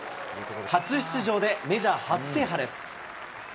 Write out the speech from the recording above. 初出場でメジャー初制覇です。